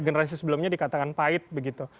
generasi sebelumnya dikatakan pahit begitu